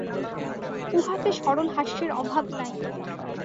উহাতে সরল হাস্যের অভাব নাই।